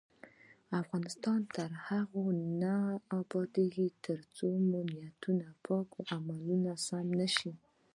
افغانستان تر هغو نه ابادیږي، ترڅو مو نیتونه پاک او عملونه سم نشي.